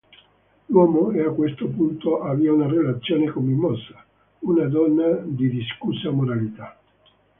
L'uomo, a questo punto, avvia una relazione con Mimosa, una donna di discussa moralità.